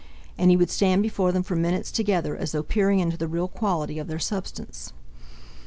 And he would stand before them for minutes together, as though peering into the real quality of their substance.